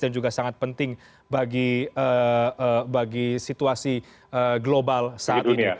dan juga sangat penting bagi situasi global saat ini